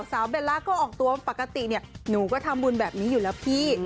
เบลล่าก็ออกตัวปกติเนี่ยหนูก็ทำบุญแบบนี้อยู่แล้วพี่